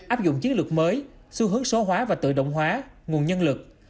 áp dụng chiến lược mới xu hướng số hóa và tự động hóa nguồn nhân lực